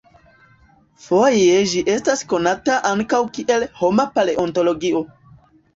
Foje ĝi estas konata ankaŭ kiel "homa paleontologio".